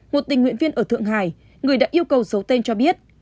một tình nguyện viên ở thượng hải người đã yêu cầu giấu tên cho biết